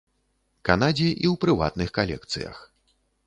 Канадзе і ў прыватных калекцыях.